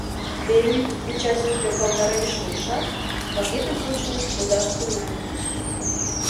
Де Рюйт печатьым тӧргалтарен шуышат, пакетым почын, лудаш тӱҥале.